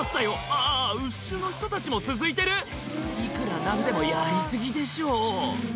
あぁ後ろの人たちも続いてるいくら何でもやり過ぎでしょ